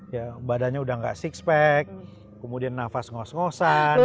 ya badannya sudah tidak six pack kemudian nafas ngos ngosan gitu